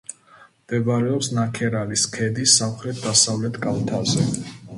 მდებარეობს ნაქერალის ქედის სამხრეთ–დასავლეთ კალთაზე.